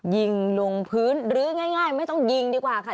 ยิงลงพื้นหรือง่ายไม่ต้องยิงดีกว่าค่ะ